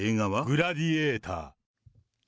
グラディエーター。